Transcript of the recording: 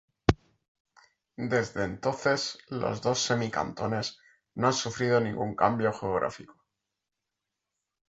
Desde entonces, los dos semi-cantones no han sufrido ningún cambio geográfico.